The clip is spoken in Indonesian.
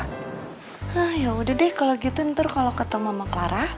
hah yaudah deh kalau gitu nanti kalau ketemu sama clara